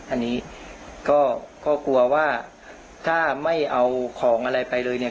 อันนี้ก็กลัวว่าถ้าไม่เอาของอะไรไปเลยเนี่ย